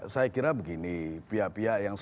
saya kira begini pihak pihak yang